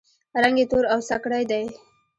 رنګ یې تور او سکڼۍ دی.